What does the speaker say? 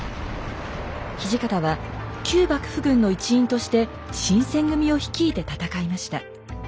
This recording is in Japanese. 土方は旧幕府軍の一員として新選組を率いて戦いました。